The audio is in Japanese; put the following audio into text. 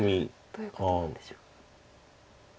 どういうことなんでしょう。